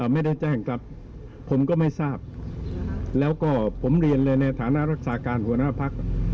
ไม่ได้แจ้งครับผมก็ไม่ทราบแล้วก็ผมเรียนเลยในฐานะรักษาการหัวหน้าพัก